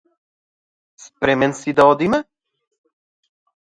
Спремен си да одиме?